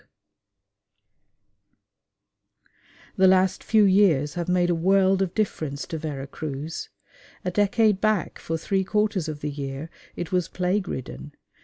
The last few years have made a world of difference to Vera Cruz. A decade back for three quarters of the year it was plague ridden.